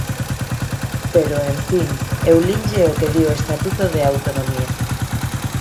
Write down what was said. Pero, en fin, eu linlle o que di o Estatuto de Autonomía.